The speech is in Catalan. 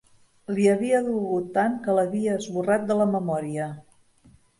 Li havia dolgut tant que l'havia esborrat de la memòria.